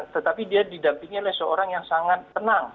tetapi dia didampingi oleh seorang yang sangat tenang